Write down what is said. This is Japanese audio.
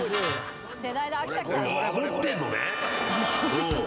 持ってんのね。